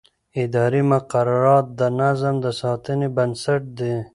اداري مقررات د نظم د ساتنې بنسټ دي.